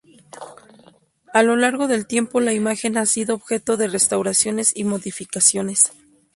A lo largo del tiempo la imagen ha sido objeto de restauraciones y modificaciones.